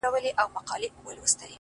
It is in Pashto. ستا زړه ته خو هر څوک ځي راځي گلي!!